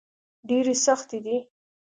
ډبرې سختې دي.